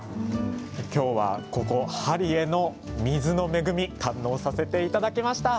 今日はここ、針江の水の恵み堪能させていただきました。